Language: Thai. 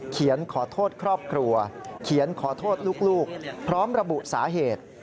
ขอโทษครอบครัวเขียนขอโทษลูกพร้อมระบุสาเหตุ